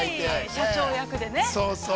◆社長役でね。